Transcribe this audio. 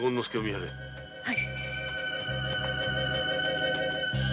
はい。